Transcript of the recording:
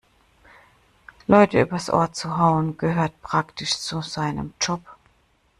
Leute übers Ohr zu hauen, gehört praktisch zu seinem Job.